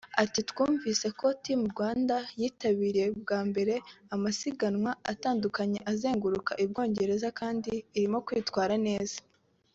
Ati “Twumvise ko Team Rwanda yitabiriye bwa mbere amasiganwa atandukanye azenguruka u Bwongereza kandi irimo kwitwara neza